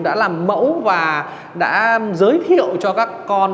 đã làm mẫu và giới thiệu cho các con